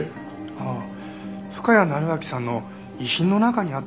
ああ深谷成章さんの遺品の中にあったんです。